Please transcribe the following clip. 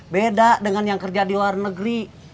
beda dengan yang kerja di luar negeri